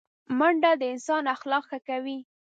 منډه د انسان اخلاق ښه کوي